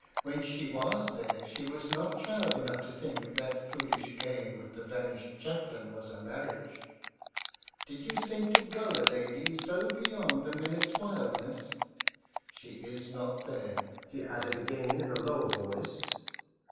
When she was there, she was not child enough to think that foolish game with the vanished chaplain was a marriage. Did you think to gull a lady so beyond the minute's wildness? She is not there," he added again in a low voice.